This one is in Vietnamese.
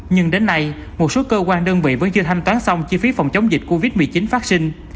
nhưng đến nay một số cơ quan đơn vị vẫn chưa thanh toán xong chi phí phòng chống dịch covid một mươi chín phát sinh